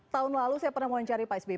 tahun lalu saya pernah mencari pak sby